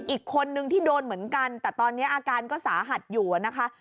อีกคนนึงที่โดนเหมือนกันแต่ตอนนี้อาการก็สาหัสอยู่นะคะ